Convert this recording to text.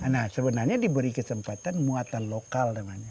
nah sebenarnya diberi kesempatan muatan lokal namanya